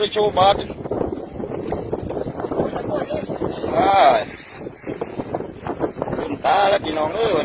รับมีกลับคูณ